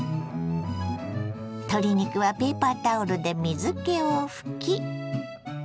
鶏肉はペーパータオルで水けを拭き。